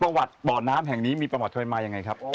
ประวัติบ่อน้ำแห่งนี้มีประวัติเคยมายังไงครับ